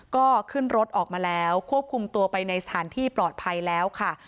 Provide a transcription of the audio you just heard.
ก็ขึ้นรถออกมาแล้วควบคุมตัวไปในสถานที่ปลอดภัยแล้วค่ะ